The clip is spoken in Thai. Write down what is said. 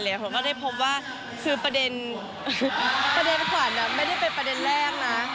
แล้วก็ได้พบว่าคือประเด็นขวัญไม่ได้เป็นประเด็นแรกนะ